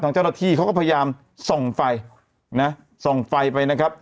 เจ้าหน้าที่เขาก็พยายามส่องไฟนะส่องไฟไปนะครับ